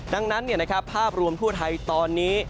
ดังนั้นภาพรวมทั่วไทยตอนนี้